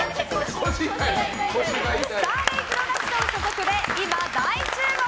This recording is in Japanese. スターレイプロダクション所属で、今、大注目。